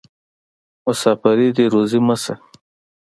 مسافري دې روزي مه شه.